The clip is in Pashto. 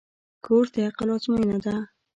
کورس د عقل آزموینه ده.